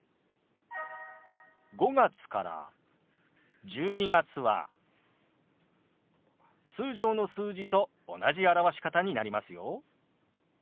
５月から１２月は通常の数字と同じ表し方になりますよ。